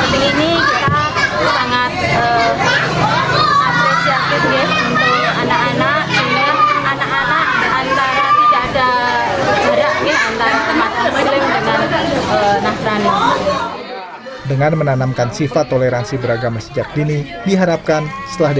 menurut kepala tk santo bernardus kegiatan ini dilakukan dengan tujuan menanamkan sifat toleransi umat beragama khususnya kepada anak sejak dini